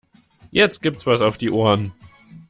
Jetzt gibt's was auf die Ohren.